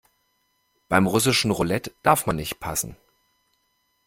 Beim russischen Roulette darf man nicht passen.